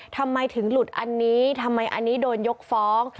ทำไมถึงหลุดอันนี้ทำไมอันนี้โดนยกฟ้อง